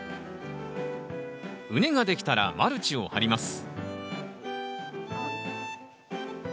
畝ができたらマルチを張ります